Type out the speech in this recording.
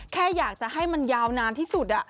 แค่อยากจะให้มันยาวนานที่สุด